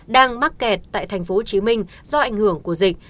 đang mắc kẹt tại thành phố hồ chí minh do ảnh hưởng của dịch